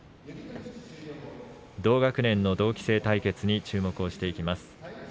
同学年、同期生対決に注目していきます。